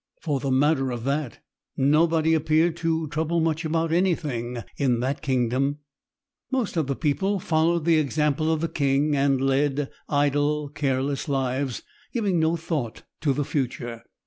For the matter of that, nobody appeared to trouble much about anything in that kingdom. Most of the people followed the example of the king and led idle, careless lives, giving no thought to the future.